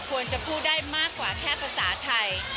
ควรจะพูดได้มากกว่าแค่ภาษาไทย